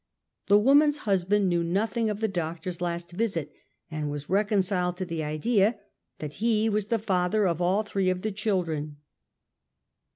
The woman's husband knew nothing; of the doctor's last visit, and was reconciled to the idea that he was the \ father of all three of the children.